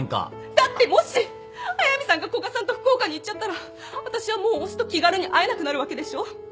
だってもし速見さんが古賀さんと福岡に行っちゃったら私はもう推しと気軽に会えなくなるわけでしょ？